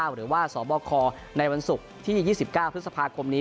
หรือว่าสบคในวันศุกร์ที่๒๙พฤษภาคมนี้